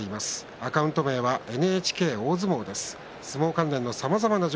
アカウント名はＮＨＫ大相撲です。